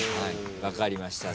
分かりました。